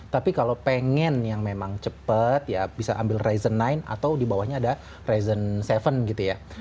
tapi kalau pengen yang memang cepet ya bisa ambil ryzen sembilan atau di bawahnya ada ryzen tujuh gitu ya